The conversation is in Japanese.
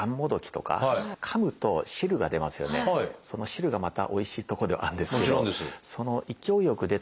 その汁がまたおいしいとこではあるんですけどその勢いよく出た汁でまずむせるってあって。